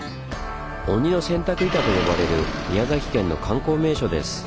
「鬼の洗濯板」と呼ばれる宮崎県の観光名所です。